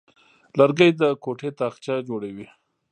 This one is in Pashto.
لرګی د کوټې تاقچه جوړوي.